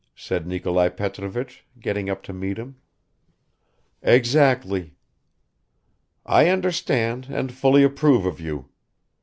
said Nikolai Petrovich, getting up to meet him. "Exactly." "I understand and fully approve of you.